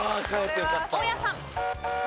大家さん。